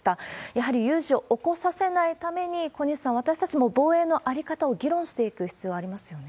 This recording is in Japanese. やはり有事を起こさせないために、小西さん、私たちも防衛の在り方を議論していく必要ありますよね。